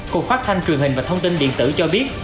cục phát thanh truyền hình và thông tin điện tử cho biết